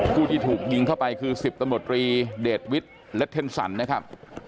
ผู้ที่ถูกยิงเข้าไปคือ๑๐ตำรวจรีเดชวิทย์เล็ดเทนสันนะครับ